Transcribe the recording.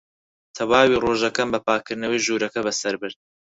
تەواوی ڕۆژەکەم بە پاککردنەوەی ژوورەکە بەسەر برد.